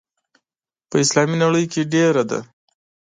په اسلامي نړۍ کې ډېره ده.